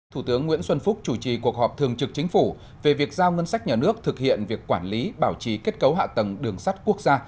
thủ tướng nguyễn xuân phúc chủ trì cuộc họp thường trực chính phủ về việc giao ngân sách nhà nước thực hiện việc quản lý bảo trì kết cấu hạ tầng đường sắt quốc gia